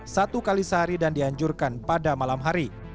satu kali sehari dan dianjurkan pada malam hari